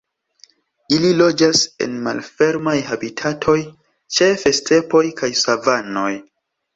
Ili loĝas en malfermaj habitatoj, ĉefe stepoj kaj savanoj.